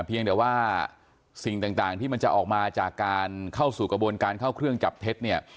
เพียงแต่ว่าสิ่งต่างที่มันจะออกมาจากการเข้าสู่กระบวนการเข้าเครื่องจับเท็จเนี่ย